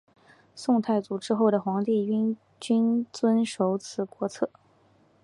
宋太祖之后的皇帝均遵守此国策。